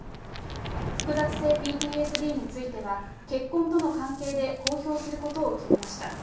複雑性ＰＴＳＤについては、結婚との関係で公表することを決めました。